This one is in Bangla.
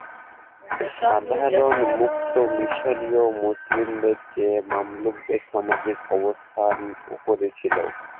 সাধারণ মুক্ত মিশরীয় মুসলিমদের চেয়ে মামলুকদের সামাজিক অবস্থান উপরে ছিল।